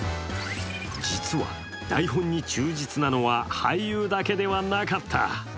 実は、台本に忠実なのは俳優だけではなかった。